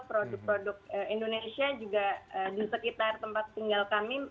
produk produk indonesia juga di sekitar tempat tinggal kami